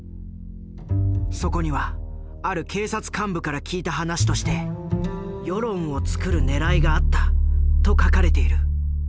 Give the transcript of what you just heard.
そこにはある警察幹部から聞いた話として「世論をつくるねらいがあった」と書かれている。